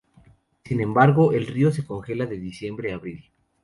Sin embargo, el río se congela de diciembre a abril.